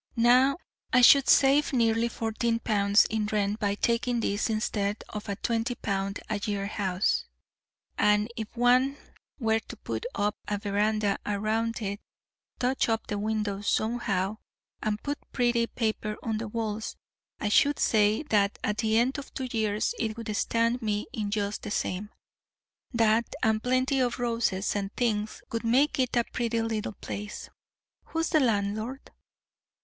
Now I should save nearly fourteen pounds in rent by taking this instead of a twenty pound a year house; and if one were to put up a verandah round it, touch up the windows somehow, and put pretty paper on the walls, I should say that at the end of two years it would stand me in just the same. That and plenty of roses and things would make it a pretty little place. Who is the landlord?"